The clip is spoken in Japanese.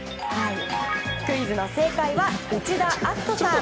クイズの正解は内田篤人さん。